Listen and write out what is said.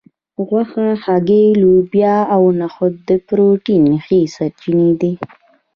غوښه هګۍ لوبیا او نخود د پروټین ښې سرچینې دي